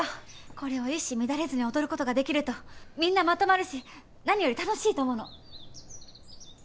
これを一糸乱れずに踊ることができるとみんなまとまるし何より楽しいと思うの。